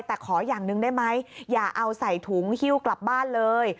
แต่ขออย่างหนึ่งได้ไหมอย่าเอาใส่ถุงหิ้วกลับบ้านเลย